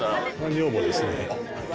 女房ですね。